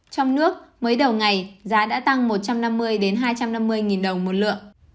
trong nước mới đầu ngày giá đã tăng một trăm năm mươi hai trăm năm mươi đồng một lượng